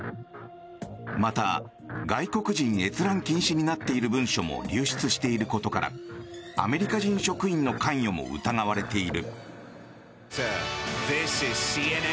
また、外国人閲覧禁止になっている文書も流出していることからアメリカ人職員の関与も疑われている。